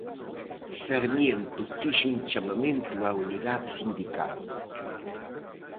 Sarmiento fixo un chamamento á unidade sindical.